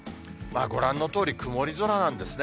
ご覧のとおり曇り空なんですね。